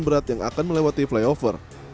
berat yang akan melewati flyover